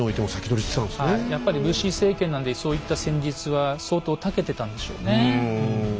はいやっぱり武士政権なんでそういった戦術は相当たけてたんでしょうね。